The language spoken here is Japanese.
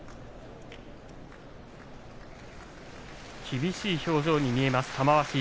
厳しい表情に見えます、玉鷲。